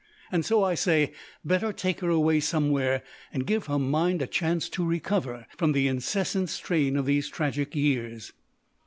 And so I say, better take her away somewhere and give her mind a chance to recover from the incessant strain of these tragic years."